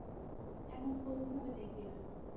এমন করুণ ভাবে দেখবি না!